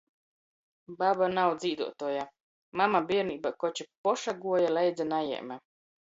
Baba nav dzīduotuoja, mama bierneibā, koč i poša guoja, leidza najēme.